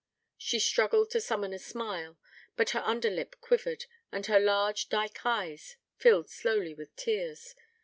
She struggled to summon a smile; but her under lip quivered, and her large dark eyes filled slowly with tears.